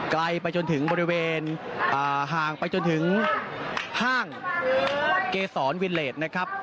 ไปจนถึงบริเวณห่างไปจนถึงห้างเกษรวิลเลสนะครับ